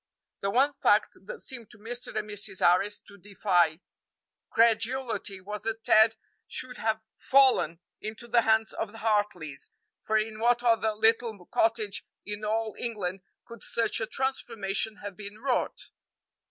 The one fact that seemed to Mr. and Mrs. Harris to defy credulity was that Ted should have fallen into the hands of the Hartleys, for in what other little cottage in all England could such a transformation have been wrought?